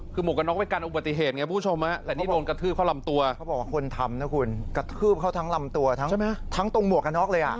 คือหมวกกันน็กมันก็อยู่กันอุบัติเหตุไงผู้ชมเขาบอกว่าคนทำนะคุณกระทืบเขาทั้งลำตัวทั้งตรงหมวกกันน็กเลย